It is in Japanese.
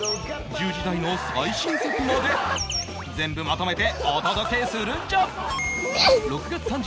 １０時台の最新作まで全部まとめてお届けするんじゃ！